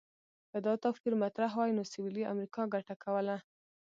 که دا توپیر مطرح وای، نو سویلي امریکا ګټه کوله.